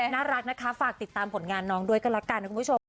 น่ารักนะคะฝากติดตามผลงานน้องด้วยก็แล้วกันนะคุณผู้ชม